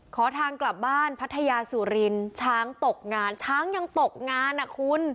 ขอทางกลับบ้านพัทยาสุรินช้างตกงานช้างยังตกงานอ่ะคุณ